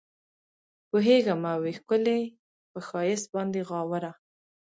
پوهېږمه وي ښکلي پۀ ښائست باندې غاوره